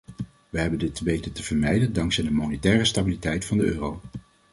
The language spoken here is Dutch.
Wij hebben dit weten te vermijden dankzij de monetaire stabiliteit van de euro.